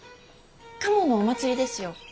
賀茂のお祭りですよ。